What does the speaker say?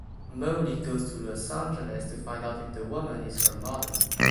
Molly goes to Los Angeles to find out if the woman is her mother.